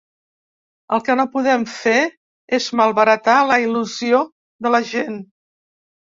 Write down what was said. El que no podem fer és malbaratar la il·lusió de la gent.